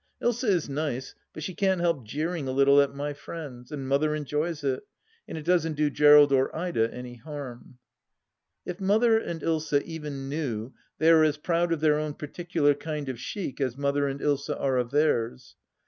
Ilsa is nice, but she can't help jeering a little at my friends, and Mother enjoys it, and it doesn't do Gerald>or Ida any harm. If Mother and Ilsa even knew, they are as proud of their own particular kind of chic as Mother and Ilsa are of theirs.